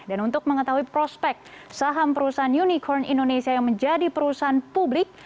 dan untuk mengetahui prospek saham perusahaan unicorn indonesia yang menjadi perusahaan publik